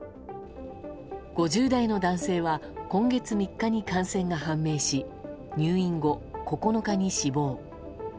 ５０代の男性は今月３日に感染が判明し入院後、９日に死亡。